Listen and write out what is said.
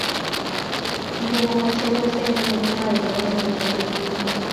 kikoi komwach chepyosenyi kole maelewan inendet nyikan